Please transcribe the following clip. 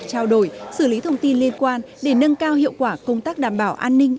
trao đổi xử lý thông tin liên quan để nâng cao hiệu quả công tác đảm bảo an ninh